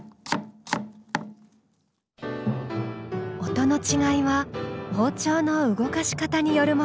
音の違いは包丁の動かし方によるもの。